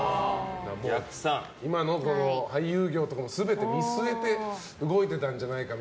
今の俳優業とかも全て見据えて動いてたんじゃないかみたいなね。